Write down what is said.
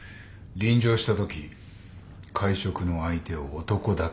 臨場したとき会食の相手を男だと見破ったな。